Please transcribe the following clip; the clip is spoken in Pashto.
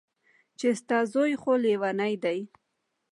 چې ستا زوى خو ليونۍ دى.